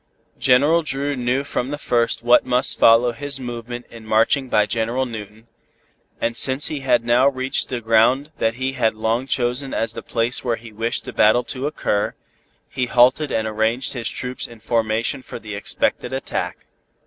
General Dru knew from the first what must follow his movement in marching by General Newton, and since he had now reached the ground that he had long chosen as the place where he wished the battle to occur, he halted and arranged his troops in formation for the expected attack.